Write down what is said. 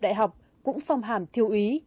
đại học cũng phong hàm thiếu ý